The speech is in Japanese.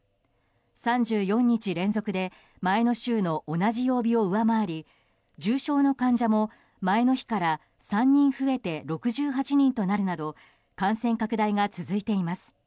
３４日連続で前の週の同じ曜日を上回り重症の患者も前の日から３人増えて６８人となるなど感染拡大が続いています。